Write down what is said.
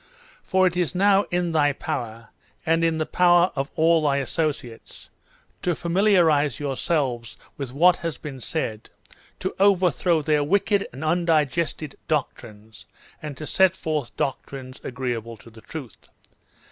For it is now in thy power, and in the power of all thy associates, to familiarize yourselves with what has been said, to overthrow their wicked and undigested doctrines, and to set forth doctrines agreeable to the truth.